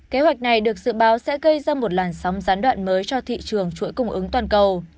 kế hoạch này được dự báo sẽ gây ra một làn sóng gián đoạn mới cho thị trường chuỗi cung ứng toàn cầu